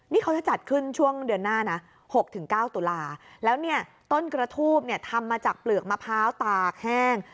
นี่เขาจะจัดขึ้นช่วงเดือนหน้านะ๖๙ตุลาแล้วเนี่ยต้นกระทูบเนี่ยทำมาจากเปลือกมะพร้าวตากแห้ง